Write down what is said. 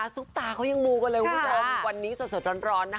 ซุปตาเขายังมูกันเลยวันนี้สดร้อน